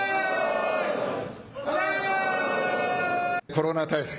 コロナ対策